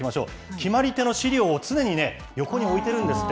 決まり手の資料を常にね、横に置いてるんですって。